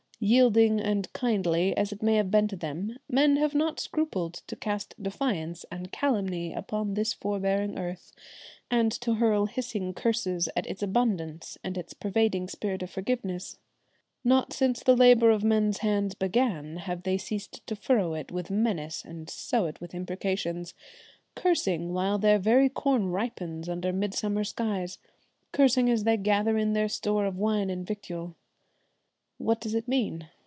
Yielding and kindly as it may have been to them, men have not scrupled to cast defiance and calumny upon this forbearing earth and to hurl hissing curses at its abundance and its pervading spirit of forgiveness. Not since the labour of men's hands began have they ceased to furrow it with menace and sow it with imprecation, cursing while their very corn ripens under midsummer skies, cursing as they gather in their store of wine and victual. What does it mean?